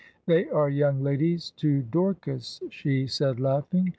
"They are young ladies to Dorcas," she said, laughing.